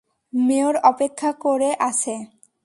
Mayor অপেক্ষা করে আছে।